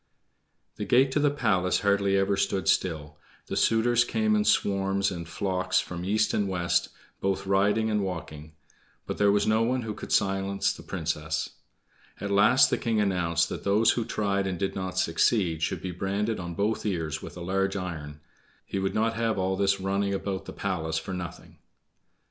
The gate to the palace hardly ever stood still. The suitors came in swarms and flocks from east and west, both riding and walking. But there was no one who could silence the Princess. At last the king announced that those who tried and did not succeed should be branded on both ears with a large iron; he would not have all this running about the palace for nothing.